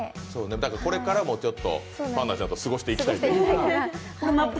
これからもパンナちゃんと過ごしていきたいと。